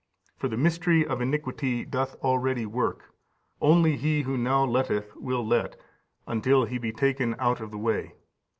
For the mystery of iniquity doth already work; only he who now letteth (will let), until he be taken out of the way.